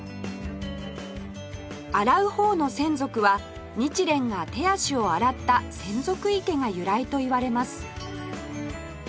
洗う方の洗足は日蓮が手足を洗った洗足池が由来といわれます